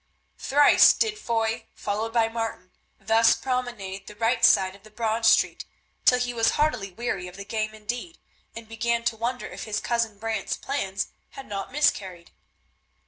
Thrice did Foy, followed by Martin, thus promenade the right side of the Broad Street, till he was heartily weary of the game indeed, and began to wonder if his cousin Brant's plans had not miscarried.